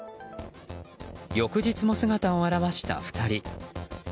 翌日も姿を現した２人。